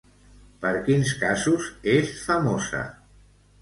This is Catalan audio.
Per quins casos és famosa?